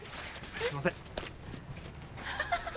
すいません。